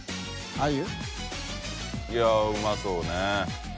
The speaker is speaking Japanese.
▲罅い筺うまそうね。